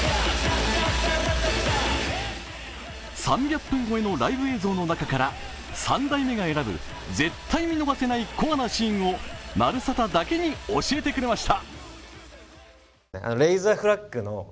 ３００分超えのライブ映像の中から三代目が選ぶ絶対見逃せないコアなシーンを、「まるサタ」だけに教えてくれました。